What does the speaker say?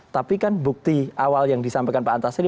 tapi kan bukti awal yang disampaikan pak antasari